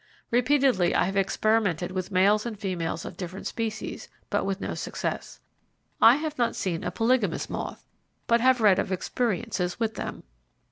Repeatedly I have experimented with males and females of different species, but with no success. I have not seem a polygamous moth; but have read of experiences with them.